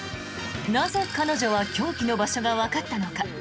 なぜ、彼女は凶器の場所がわかったのか？